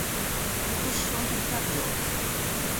繰越商品勘定